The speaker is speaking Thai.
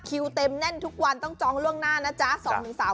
เต็มแน่นทุกวันต้องจองล่วงหน้านะจ๊ะ